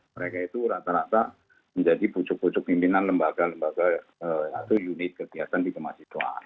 mereka itu rata rata menjadi pucuk pucuk pimpinan lembaga lembaga atau unit kegiatan di kemahasiswaan